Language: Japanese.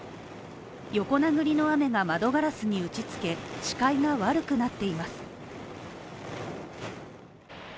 横殴りの雨が窓ガラスに打ちつけ視界が悪くなっています。